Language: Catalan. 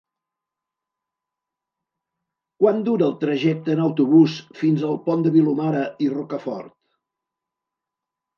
Quant dura el trajecte en autobús fins al Pont de Vilomara i Rocafort?